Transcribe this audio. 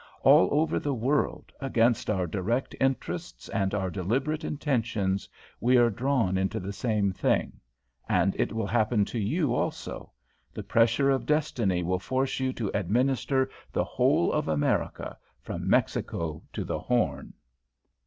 All over the world, against our direct interests and our deliberate intentions, we are drawn into the same thing. And it will happen to you also. The pressure of destiny will force you to administer the whole of America from Mexico to the Horn."